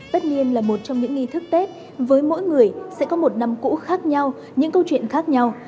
tất nhiên là một trong những nghi thức tết với mỗi người sẽ có một năm cũ khác nhau những câu chuyện khác nhau